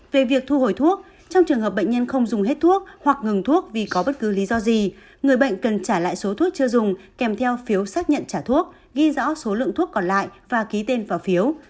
về việc thu hồi thuốc trong trường hợp bệnh nhân không dùng hết thuốc hoặc ngừng thuốc vì có bất cứ lý do gì người bệnh cần trả lại số thuốc chưa dùng kèm theo phiếu xác nhận trả thuốc ghi rõ số lượng thuốc còn lại và ký tên vào phiếu